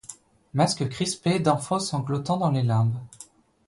Masques crispés d’enfants sanglotant dans les limbes